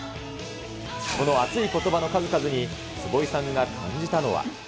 この熱いことばの数々に、坪井さんが感じたのは。